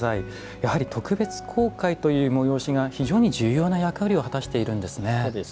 やはり特別公開という催しが非常に重要な役割を果たしているんですね。